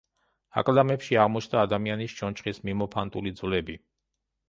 აკლდამებში აღმოჩნდა ადამიანის ჩონჩხის მიმოფანტული ძვლები.